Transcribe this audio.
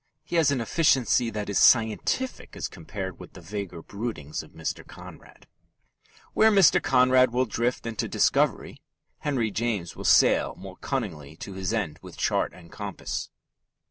He has an efficiency that is scientific as compared with the vaguer broodings of Mr. Conrad. Where Mr. Conrad will drift into discovery, Henry James will sail more cunningly to his end with chart and compass.